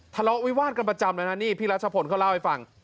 ทะเลาะวิวาดกันประจำเลยนะนี่พี่รัชพลเขาเล่าให้ฟัง